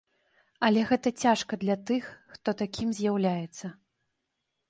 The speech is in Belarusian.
Але гэта цяжка для тых, хто такім з'яўляецца.